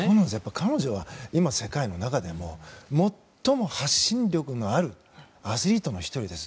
彼女は今、世界の中でも最も発信力のあるアスリートの１人です。